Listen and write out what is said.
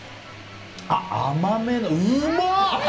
甘めのうま！